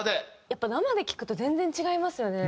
やっぱ生で聴くと全然違いますよね。